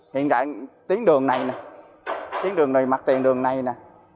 hiện tại tiến đường này nè tiến đường này mặt tiền đường này nè